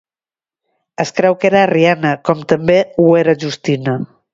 Es creu que era arriana com també ho era Justina.